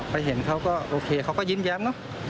ไปเห็นเขาก็โอเคเขาก็ยิ้มแย้มเนอะ